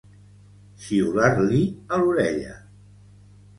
Xiular-li a l'orella.